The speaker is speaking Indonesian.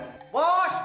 ini bos aku